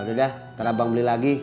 yaudah dah ntar abang beli lagi